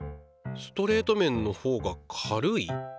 ストレート麺のほうが軽い？